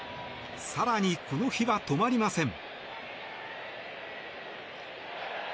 更にこの日は止まりません。